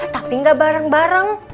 tapi gak bareng bareng